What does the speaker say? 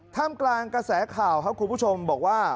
กลางกระแสข่าวครับคุณผู้ชมบอกว่า